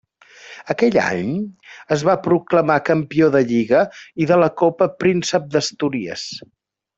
Aquell any es va proclamar campió de Lliga i de la Copa Príncep d'Astúries.